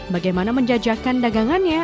bagaimana menjajakan dagangannya